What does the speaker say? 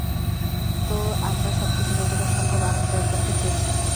তো, আমরা সবকিছু যতটা সম্ভব আরামদায়ক করতে চেয়েছি।